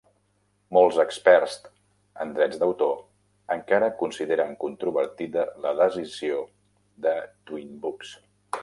Molts experts en drets d'autor encara consideren controvertida la decisió de "Twin Books".